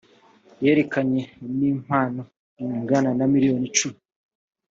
yerekeranye n’ impano ingana na miliyoni cumi